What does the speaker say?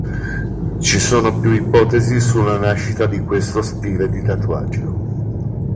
Ci sono più ipotesi sulla nascita di questo stile di tatuaggio.